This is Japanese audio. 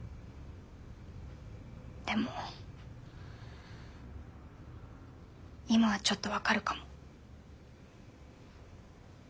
でも今はちょっと分かるかも。